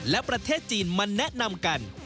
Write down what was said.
และประเทศจีนมาแนะนำกัน